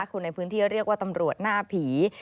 คนในพื้นที่เรียกว่าตำรวจหน้าผี